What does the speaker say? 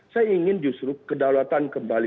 saya ingin justru kedaulatan kembali